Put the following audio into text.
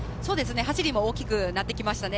走りも大きくなってきましたね。